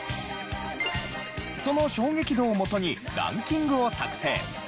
その衝撃度をもとにランキングを作成。